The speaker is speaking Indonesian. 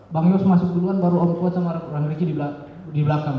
bang yos masuk duluan baru om kuat dan riki di belakang